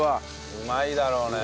うまいだろうねえ。